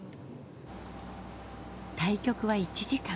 対局は１時間。